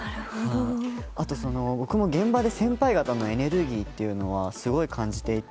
あとは僕も現場で先輩方のエネルギーはすごい感じていて。